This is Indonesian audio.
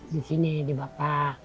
di sini di bapak